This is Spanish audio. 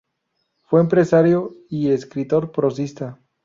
Fue empresario y escritor prosista.